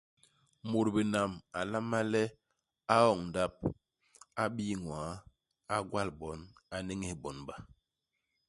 Mut binam a nlama le a oñ ndap, a bii ñwaa, a gwal bon, a n'néñés ibon ba.